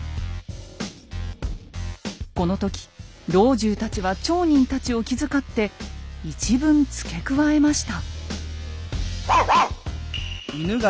この時老中たちは町人たちを気遣って一文付け加えました。